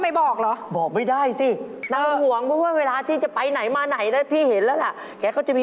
ไม่ได้บอกอ่ะหยิบมาเลยเหอะ